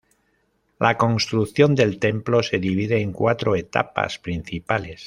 La construcción del templo se divide en cuatro etapas principales.